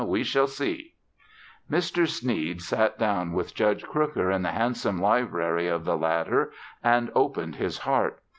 We shall see!" Mr. Sneed sat down with Judge Crooker in the handsome library of the latter and opened his heart.